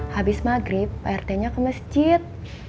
habis maghrib pak rt nya ke masjid